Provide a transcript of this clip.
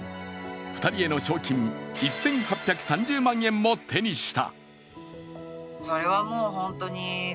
２人への賞金１８３０万円も手にした。